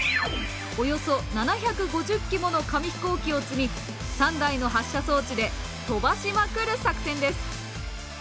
およそ７５０機もの紙ヒコーキを積み３台の発射装置で飛ばしまくる作戦です。